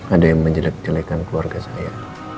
ada yang menjelek jelekkan keluarga saya